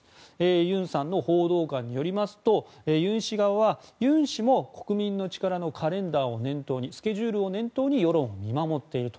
ユンさんの報道官によりますとユン氏側はユン氏も国民の力のカレンダースケジュールを念頭に世論を見守っていると。